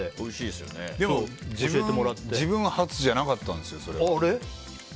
でも自分発じゃなかったんですよ、それ。